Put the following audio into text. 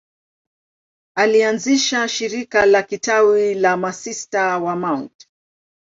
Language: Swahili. Alianzisha shirika la kitawa la Masista wa Mt.